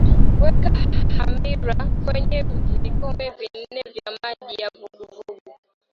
weka hamira kwenye vikombe nne vya maji ya uvuguvugu